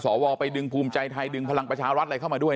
ไปดึงภูมิใจไทยดึงพลังประชารัฐอะไรเข้ามาด้วย